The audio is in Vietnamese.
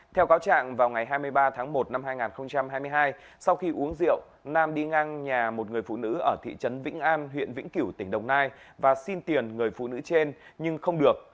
theo cáo trạng vào ngày hai mươi ba tháng một năm hai nghìn hai mươi hai sau khi uống rượu nam đi ngang nhà một người phụ nữ ở thị trấn vĩnh an huyện vĩnh kiểu tỉnh đồng nai và xin tiền người phụ nữ trên nhưng không được